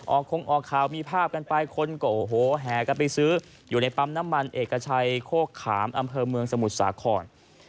คงออกข่าวมีภาพกันไปคนก็โอ้โหแห่กันไปซื้ออยู่ในปั๊มน้ำมันเอกชัยโคกขามอำเภอเมืองสมุทรสาคร